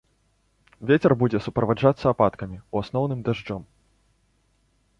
Вецер будзе суправаджацца ападкамі, у асноўным дажджом.